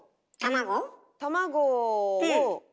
卵？